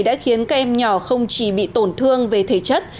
đã khiến các em nhỏ không chỉ bị tổn thương về thể chất